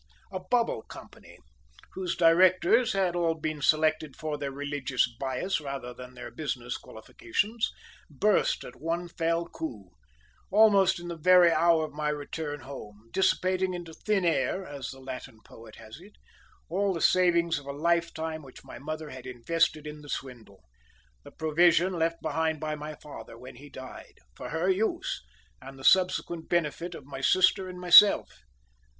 A bubble company, whose directors had all been selected for their religious bias rather than their business qualifications, burst at one fell coup, almost in the very hour of my return home, dissipating into thin air, as the Latin poet has it, all the savings of a lifetime which my mother had invested in the swindle the provision left behind by my father, when he died, for her use, and the subsequent benefit of my sister and myself.